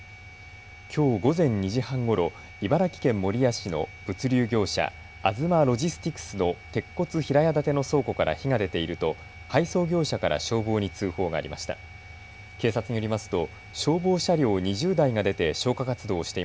きょう午前２時半ごろ茨城県守谷市の物流業者、アズマロジスティクスの鉄骨平屋建ての倉庫から火が出ていると配送業者から消防に通報がありました。